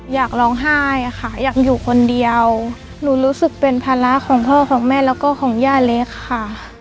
อยากร้องไห้อะค่ะอยากอยู่คนเดียวหนูรู้สึกเป็นภาระของพ่อของแม่แล้วก็ของย่าเล็กค่ะ